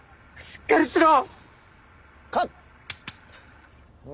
しっかりしろ！